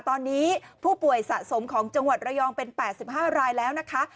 ตอนนี้ผู้ป่วยสะสมของจังหวัดระยองเป็น๘๕รายแล้วนะคะ